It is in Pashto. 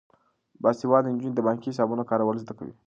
باسواده نجونې د بانکي حسابونو کارول زده کوي.